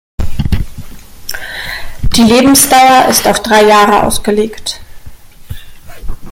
Die Lebensdauer ist auf drei Jahre ausgelegt.